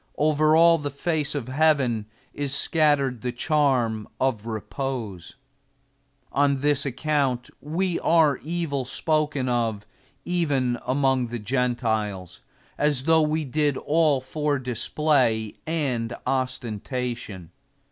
Over all the face of heaven is scattered the charm of repose. On this[Pg 169] account we are evil spoken of even among the Gentiles, as though we did all for display and ostentation.